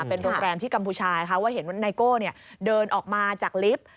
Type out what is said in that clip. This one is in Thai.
เป็นโรงแรมที่กัมพูชาค่ะว่าเห็นว่าไนโก้เดินออกมาจากลิฟต์